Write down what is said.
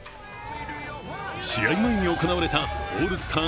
試合前に行われたオールスター